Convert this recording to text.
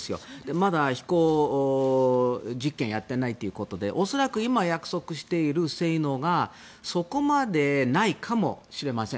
まだ飛行実験をやっていないということで恐らく今、約束している性能がそこまでないのかもしれません。